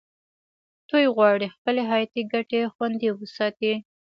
دوی غواړي خپلې حیاتي ګټې خوندي وساتي